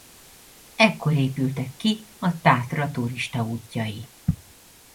Ekkor épültek ki a Tátra turistaútjai.